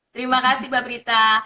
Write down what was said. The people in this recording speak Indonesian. terima kasih mbak prita